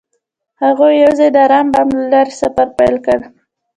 هغوی یوځای د آرام بام له لارې سفر پیل کړ.